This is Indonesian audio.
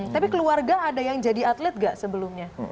tapi keluarga ada yang jadi atlet gak sebelumnya